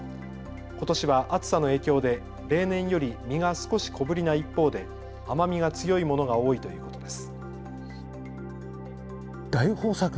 ことしは暑さの影響で例年より実が少し小ぶりな一方で甘みが強いものが多いということです。